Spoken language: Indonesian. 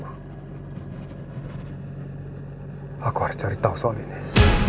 kalau dia benar benar sama sekali nggak pernah selingkuh